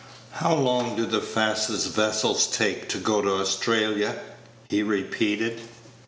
"How long do the fastest vessels take to go to Australia?" he repeated.